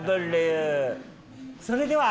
それでは。